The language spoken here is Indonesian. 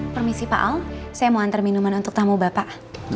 permisi pak al saya mau antar minuman untuk tamu bapak